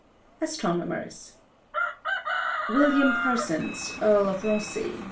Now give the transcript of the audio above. ASTRONOMERS. William Parsons, Earl of Rosse (b.